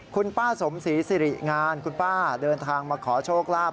คุณป้าสมศรีสิริงานคุณป้าเดินทางมาขอโชคลาภ